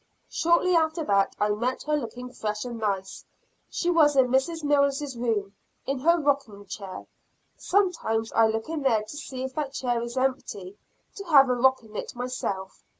Shortly after that I met her looking fresh and nice; she was in Mrs. Mills' room, in her rocking chair. Sometimes I look in there to see if that chair is empty, to have a rock in it myself.